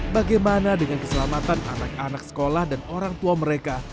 bagaimana dengan keselamatan anak anak sekolah dan orang tua mereka